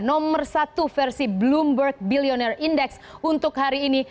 nomor satu versi bloomberg bilionaire index untuk hari ini